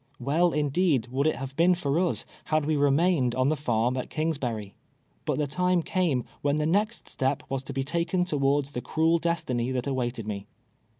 "Well, indeed, would it have been for us had we remained on the farm at Kingsbury ; but the time came when the next step \vas to be taken towards the cruel destiny that awaited me.